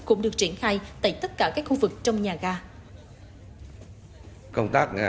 cũng được triển khai tại tất cả các khu vực trong nhà ga